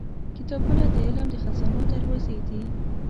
• کتابونه د علم د خزانو دروازې دي.